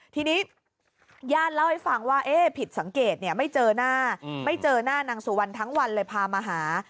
ทีนี้ญาติเล่าให้ฟังว่าผิดสังเกตไม่เจอหน้าไม่เจอหน้านางสุวรรณทั้งวันเลยพามาหา